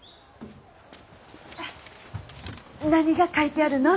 何が書いてあるの？